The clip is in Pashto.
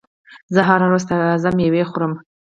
زه هره ورځ تازه مېوه خورم.